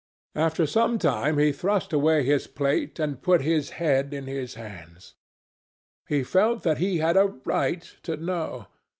After some time, he thrust away his plate and put his head in his hands. He felt that he had a right to know.